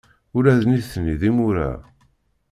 Ula d nitni d imura.